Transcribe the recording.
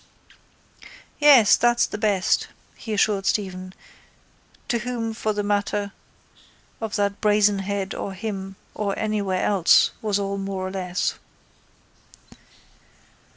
—Yes, that's the best, he assured Stephen to whom for the matter of that Brazen Head or him or anywhere else was all more or less.